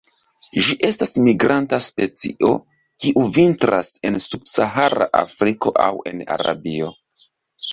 Ĝi estas migranta specio, kiu vintras en subsahara Afriko aŭ en Arabio.